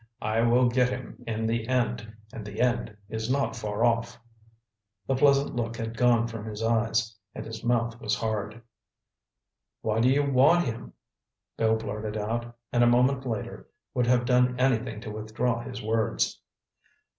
I will get him in the end, and the end is not far off." The pleasant look had gone from his eyes, and his mouth was hard. "Why do you want him?" Bill blurted out, and a moment later would have done anything to withdraw his words.